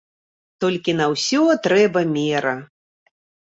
Толькі на ўсё трэба мера.